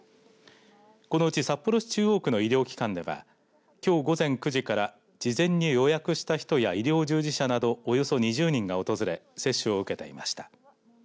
このうち札幌市中央区の医療機関ではきょう午前９時から事前に予約した人や医療従事者など、およそ２０人が訪れ接種を受けていました。